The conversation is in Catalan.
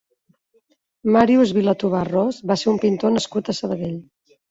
Màrius Vilatobà Ros va ser un pintor nascut a Sabadell.